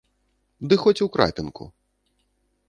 Ды хоць у крапінку!